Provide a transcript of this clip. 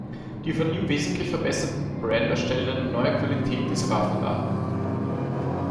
Die von ihm wesentlich verbesserten Brander stellten eine neue Qualität dieser Waffe dar.